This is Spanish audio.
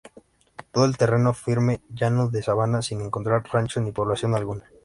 Todo el terreno firme llano, de sabana, sin encontrar rancho ni población alguna.